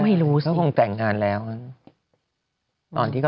ไม่รู้สิ